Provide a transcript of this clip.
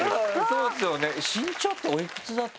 そうですよね。